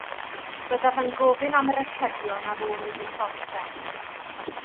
Byddaf yn gofyn am yr atebion ar ôl iddynt orffen.